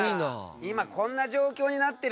今こんな状況になってるんだぞ。